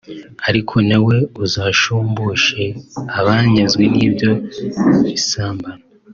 ariko nawe uzashumbushe abanyazwe nibyo bisambo